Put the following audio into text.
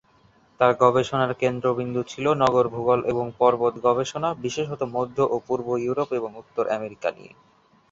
তার গবেষণার কেন্দ্রবিন্দু ছিলো নগর ভূগোল এবং পর্বত গবেষণা, বিশেষত মধ্য ও পূর্ব ইউরোপ এবং উত্তর আমেরিকা নিয়ে।